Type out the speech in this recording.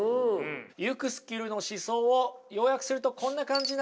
ユクスキュルの思想を要約するとこんな感じになります。